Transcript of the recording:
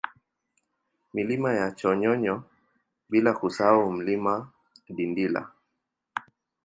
Milima ya Chonyonyo bila kusahau Mlima Dindila